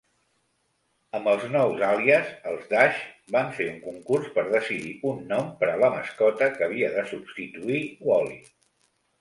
Amb el nou àlies, els Dash van fer un concurs per decidir un nom per a la mascota que havia de substituir Wally.